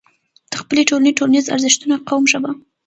د خپلې ټولنې، ټولنيز ارزښتونه، قوم، ژبه